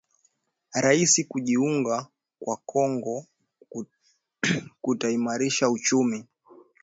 Rais kujiunga kwa Kongo kutaimarisha uchumi